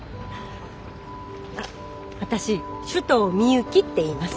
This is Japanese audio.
あっ私首藤ミユキっていいます。